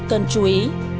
cần chú ý